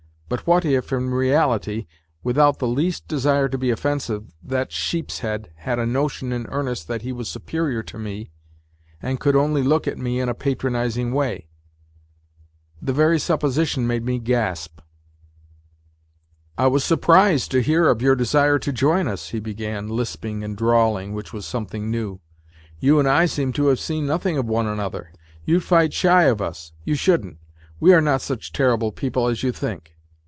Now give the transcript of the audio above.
But what if, in reality, without the least desire to be offensive, that sheepshead had a notion in earnest that he was superior to me and could only look at me in a patronizing way ? The very supposition made me gasp. " I was surprised to hear of your desire to join us," he began, lisping and drawling, which was something new. ' You and I seem to have seen nothing of one another. You fight shy of us. You shouldn't. We are not such terrible people as you think.